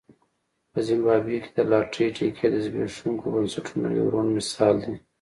په زیمبابوې کې د لاټرۍ ټکټ د زبېښونکو بنسټونو یو روڼ مثال دی.